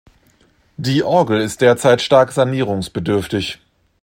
Die Orgel ist derzeit stark sanierungsbedürftig.